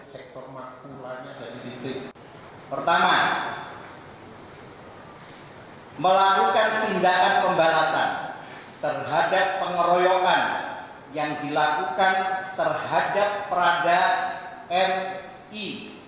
pertama melakukan tindakan pembalasan terhadap pengeroyokan yang dilakukan terhadap prada mi